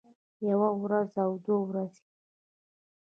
يوه وروځه او دوه ورځې